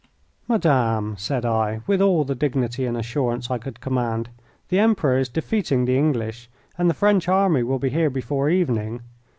"Madame," said I, with all the dignity and assurance I could command, "the Emperor is defeating the English, and the French army will be here before evening.